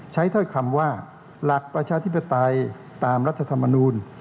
ถ้อยคำว่าหลักประชาธิปไตยตามรัฐธรรมนูล